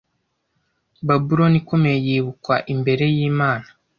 Babuloni ikomeye yibukwa imbere y’Imana,